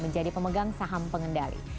menjadi pemegang saham pengendali